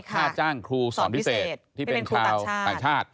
ค่าจ้างครูสอนพิเศษที่เป็นชาวต่างชาติ